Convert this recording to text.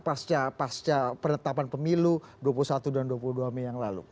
pasca penetapan pemilu dua puluh satu dan dua puluh dua mei yang lalu